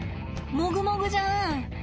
もぐもぐじゃん。